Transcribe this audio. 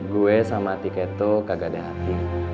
gue sama tika itu kagak ada hati